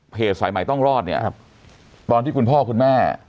สายใหม่ต้องรอดเนี่ยครับตอนที่คุณพ่อคุณแม่